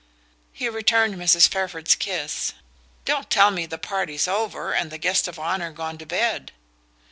He returned Mrs. Fairford's kiss. "Don't tell me the party's over, and the guest of honour gone to bed?"